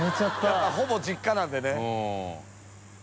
やっぱほぼ実家なんでね。